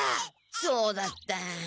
そうだった。